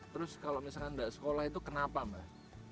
terus kalau misalkan ndak sekolah itu kenapa mbah